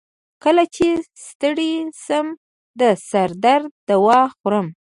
کله چې ستړی شم، د سر درد دوا خورم.